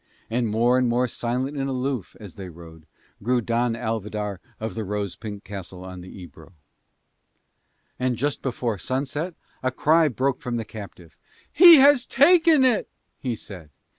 And more and more silent and aloof, as they rode, grew Don Alvidar of the Rose pink Castle on Ebro. And just before sunset a cry broke from the captive. "He has taken it!" he said.